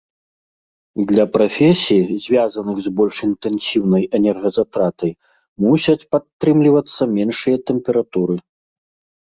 Для прафесій, звязаных з больш інтэнсіўнай энергазатратай, мусяць падтрымлівацца меншыя тэмпературы.